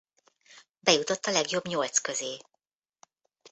Bejutott a legjobb nyolc közé.